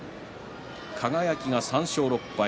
輝が３勝６敗。